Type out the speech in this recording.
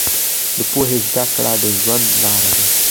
د پوهې زده کړه د ژوند لار ده.